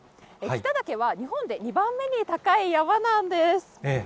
北岳は、日本で２番目に高い山なんです。